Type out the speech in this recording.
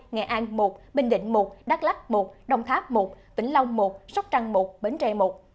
nghệ an một bình định một đắk lắc một đồng tháp một vĩnh long một sóc trăng một bến tre một